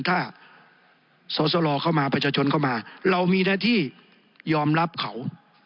ถ้าสอสลเข้ามาประชาชนเข้ามาเรามีหน้าที่ยอมรับเขา